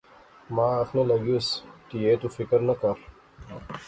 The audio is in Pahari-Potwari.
ما آخنے لاغیوس، تہئے تو فکر نہ کر